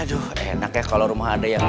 aduh enak ya kalo rumah ada yang bener